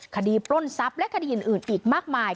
ปล้นทรัพย์และคดีอื่นอีกมากมาย